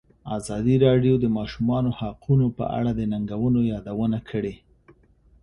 ازادي راډیو د د ماشومانو حقونه په اړه د ننګونو یادونه کړې.